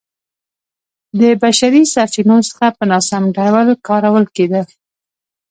د بشري سرچینو څخه په ناسم ډول کارول کېده